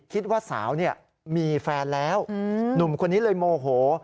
คิดว่าสาวมีแฟนแล้วหนุ่มคนนี้เลยโมโห